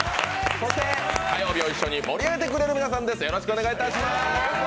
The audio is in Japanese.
そして火曜日を一緒に盛り上げてくれる皆さんです。